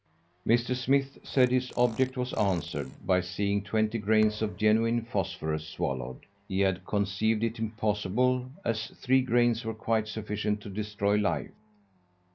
Mr. Smith said his object was answered by seeing twenty grains of genuine phosphorus swallowed. He had conceived it impossible, as three grains were quite sufficient to destroy life.